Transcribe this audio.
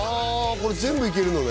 これ全部いけるのね